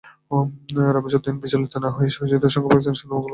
রমিজ উদ্দীন বিচলিত না হয়ে সাহসিকতার সঙ্গে পাকিস্তানি সেনাদের মোকাবিলা করতে থাকলেন।